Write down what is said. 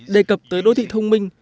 đề cập tới đô thị thông minh